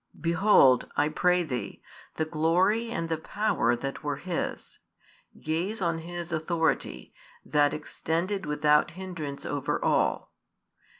Behold, I pray thee, the glory and the power that were His: gaze on His authority, that extended without hindrance over all.